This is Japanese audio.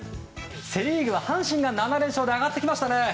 セ・リーグは阪神が７連勝で上がってきましたね。